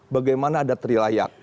bagaimana ada terilayak